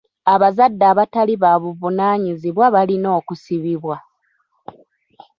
Abazadde abatali babuvunaanyizibwa balina kusibibwa.